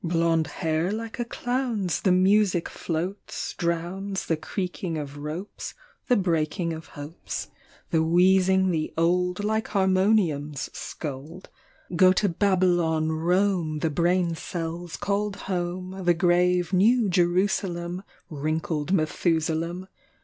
Blond hair like a clown's The music floats, drowns The creaking of ropes, The breaking of hopes. The wheezing, the old, Like harmoniums scold. 91 ' Toumez, Toumez, Bon Chevaux De Bois." Go to Babylon, Rome, The brain cells called home, The grave, new Jerusalem, Wrinkled Methusalem